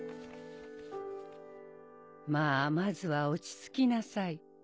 まぁまずは落ち着きなさい。